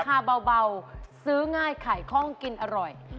คาเบาซื้อง่ายขายคล่องกินอร่อย